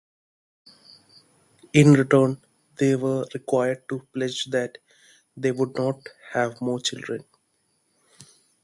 In return, they were required to pledge that they would not have more children.